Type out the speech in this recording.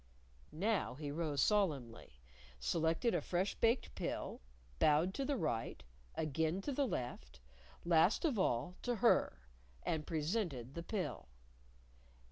Now he rose solemnly, selected a fresh baked pill, bowed to the right, again to the left, last of all, to her and presented the pill.